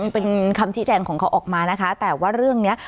อันนี้เป็นคำสิทธิแจงของเขาออกมานะคะแต่ว่าเรื่องเนี่ย